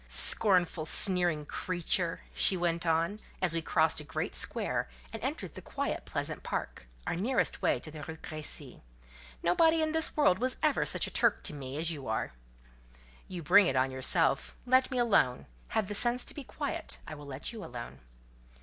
"Scornful, sneering creature!" she went on, as we crossed a great square, and entered the quiet, pleasant park, our nearest way to the Rue Crécy. "Nobody in this world was ever such a Turk to me as you are!" "You bring it on yourself: let me alone: have the sense to be quiet: I will let you alone."